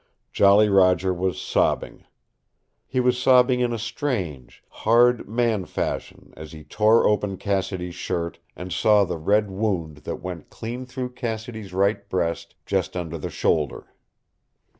Jolly Roger was sobbing. He was sobbing, in a strange, hard man fashion, as he tore open Cassidy's shirt and saw the red wound that went clean through Cassidy's right breast just under the shoulder.